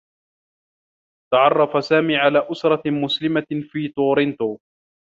تعرّف سامي على أسرة مسلمة في تورونتو.